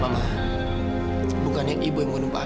mama bukan ibu yang bunuh papa